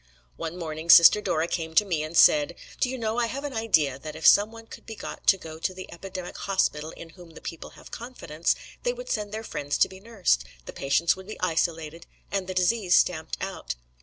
One morning Sister Dora came to me and said, 'Do you know, I have an idea that if some one could be got to go to the epidemic hospital in whom the people have confidence, they would send their friends to be nursed, the patients would be isolated, and the disease stamped out.'"